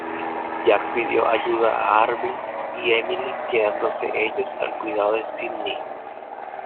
Jack pidió ayuda a Arvin y Emily quedándose ellos al cuidado de Sydney.